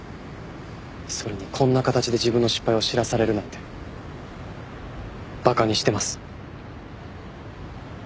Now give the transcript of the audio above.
それにこんな形で自分の失敗を知らされるなんて馬鹿にしてます。